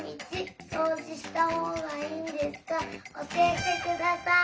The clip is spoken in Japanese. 教えてください！